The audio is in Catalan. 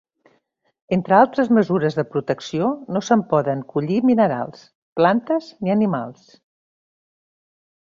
Entre altres mesures de protecció, no se'n poden collir minerals, plantes ni animals.